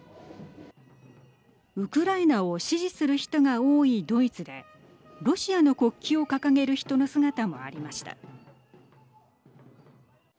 ウクライナを支持する人が多いドイツでロシアの国旗を掲げる人の姿もありました。